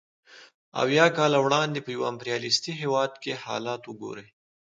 اویای کاله وړاندې په یو امپریالیستي هېواد کې حالت وګورئ